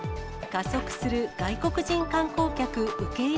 加速する外国人観光客受け入